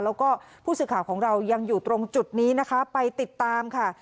แล้วก็ผู้สื่อข่าวของเรายังอยู่ตรงจุดนี้นะคะไปติดตามค่ะ